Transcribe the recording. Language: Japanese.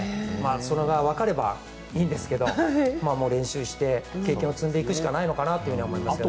それがわかればいいんですけど練習して経験を積んでいくしかないのかなと思いますね。